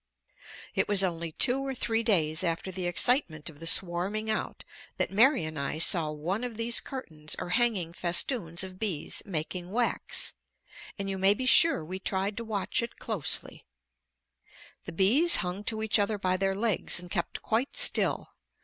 It was only two or three days after the excitement of the swarming out that Mary and I saw one of these curtains or hanging festoons of bees making wax, and you may be sure we tried to watch it closely. The bees hung to each other by their legs and kept quite still.